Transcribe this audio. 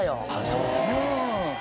そうですか。